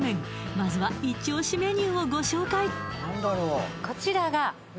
まずはイチオシメニューをご紹介